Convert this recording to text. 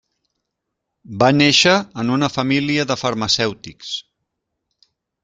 Va néixer en una família de farmacèutics.